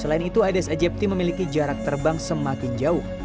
aedes aegypti memiliki jarak terbang semakin jauh